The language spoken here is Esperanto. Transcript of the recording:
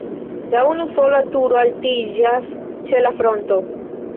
La unusola turo altiĝas ĉe la fronto.